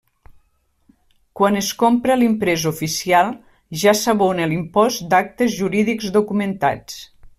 Quan es compra l'imprès oficial ja s'abona l'Impost d'Actes Jurídics Documentats.